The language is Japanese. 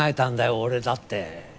俺だって。